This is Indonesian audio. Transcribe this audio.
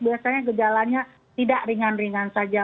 biasanya gejalanya tidak ringan ringan saja